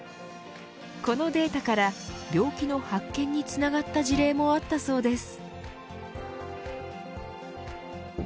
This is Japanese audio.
このデータから病気の発見につながった事例もあったそうです。